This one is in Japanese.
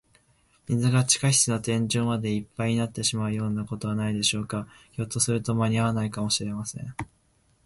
水が地下室の天井までいっぱいになってしまうようなことはないでしょうか。ひょっとすると、まにあわないかもしれません。